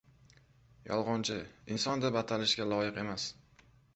Yolg‘onchi — inson deb atalishga loyiq emas.